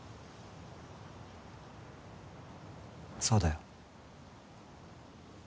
そうだよ。